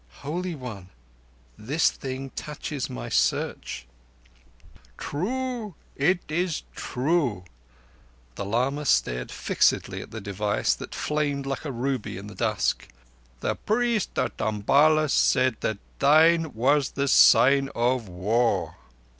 Holy One, this thing touches my Search." "True. It is true." The lama stared fixedly at the device that flamed like a ruby in the dusk. "The priest at Umballa said that thine was the sign of War."